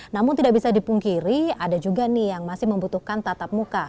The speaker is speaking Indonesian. namun tidak bisa dipungkiri ada juga nih yang masih membutuhkan tatap muka